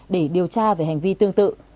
để điều tra về hành vi tương tự